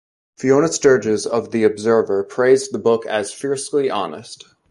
Fiona Sturges of "The Observer" praised the book as "fiercely honest".